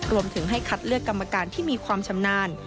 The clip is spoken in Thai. รวมถึงให้คัดเลือกกรรมการที่มีความชำนาญ